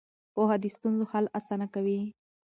پوهه د ستونزو حل اسانه کوي.